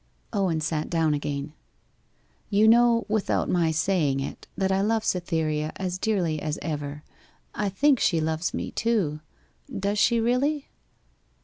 Owen sat down again. 'You know, without my saying it, that I love Cytherea as dearly as ever.... I think she loves me too, does she really?